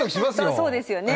そうですよね。